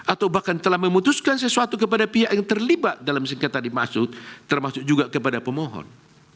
atau bahkan telah memutuskan sesuatu kepada pihak yang terlibat dalam sengketa dimaksud termasuk juga kepada pemohon